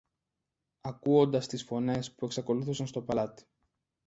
ακούοντας τις φωνές που εξακολουθούσαν στο παλάτι.